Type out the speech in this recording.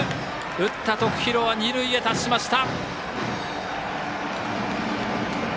打った徳弘は二塁に達しました。